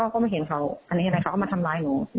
ก็ไม่เห็นเขาอันนี้อะไรเขาก็มาทำร้ายหนู